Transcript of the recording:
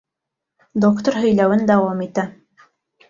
ДОКТОР ҺӨЙЛӘҮЕН ДАУАМ ИТӘ.